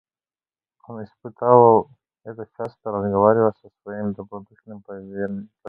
Он испытывал это часто, разговаривая со своим добродушнейшим поверенным.